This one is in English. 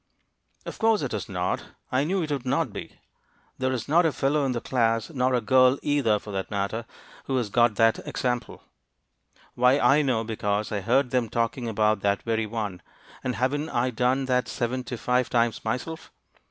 "Of course it is not. I knew it would not be. There is not a fellow in the class, nor a girl, either, for that matter, who has got that example. Why, I know, because I heard them talking about that very one; and haven't I done that seventy five times myself?